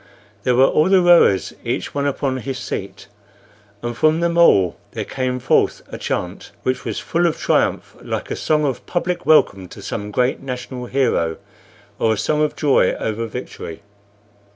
There were all the rowers, each one upon his seat, and from them all there came forth a chant which was full of triumph, like a song of public welcome to some great national hero, or a song of joy over victory.